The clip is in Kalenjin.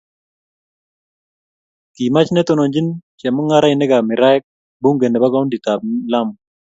kimach netononchini chemung'rainikab miraek bunge nebo kauntikab Lamu